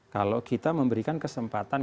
kalau kita memberikan kesempatan